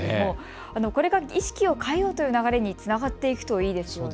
これが意識を変えようという流れにつながっていくといいですよね。